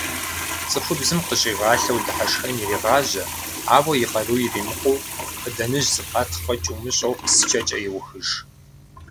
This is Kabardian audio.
Цӏыхубзым къыщӏигъалъэу дыхьэшхын ирегъажьэ, ауэ, и къару иримыкъуу, хъыданэжь зэфӏатхъ фӏэкӏ умыщӏэну, псчэкӏэ еухыж.